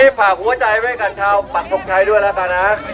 นี่ผ่าหัวใจไว้กันเถ้าปากทุกท้ายด้วยละกันนะ